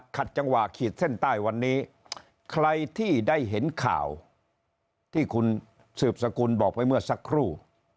ขัดจังหวะขีดเส้นใต้วันนี้ใครที่ได้เห็นข่าวที่คุณสืบสกุลบอกไปเมื่อสักครู่